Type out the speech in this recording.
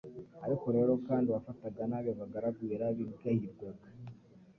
Ariko rero kandi uwafataga nabi abagaragu yarabigayirwaga